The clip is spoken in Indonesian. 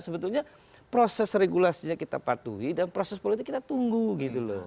sebetulnya proses regulasinya kita patuhi dan proses politik kita tunggu gitu loh